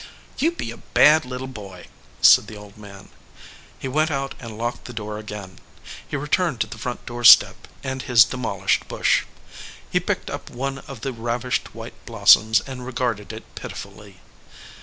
/"You be a bad little boy," said the old man. He went out and locked the door again. He returned to the front door step and his demolished bush. He picked up one of the ravished white blossoms and regarded it pitifully.